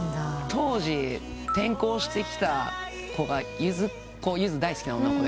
当時転校してきた子がゆず大好きな女の子で。